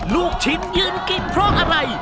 ลูกชิ้นยืนกินเพราะอะไร